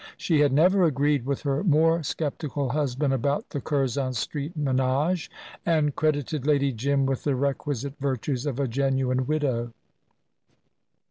She had never agreed with her more sceptical husband about the Curzon Street menage, and credited Lady Jim with the requisite virtues of a genuine widow.